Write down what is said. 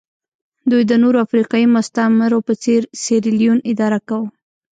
دوی د نورو افریقایي مستعمرو په څېر سیریلیون اداره کاوه.